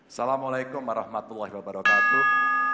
assalamualaikum warahmatullahi wabarakatuh